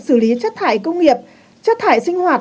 xử lý chất thải công nghiệp chất thải sinh hoạt